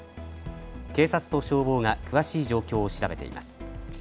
警察と消防が詳しい状況を調べています。